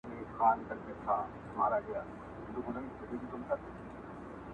ګواکي ستا په حق کي هیڅ نه دي لیکلي!.